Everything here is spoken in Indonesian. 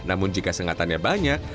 namun jika sengatannya banyak